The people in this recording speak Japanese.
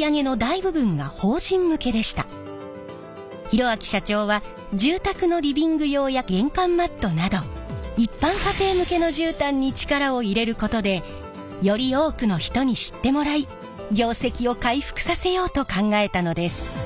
博明社長は住宅のリビング用や玄関マットなど一般家庭向けの絨毯に力を入れることでより多くの人に知ってもらい業績を回復させようと考えたのです。